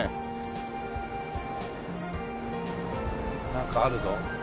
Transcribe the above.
なんかあるぞ。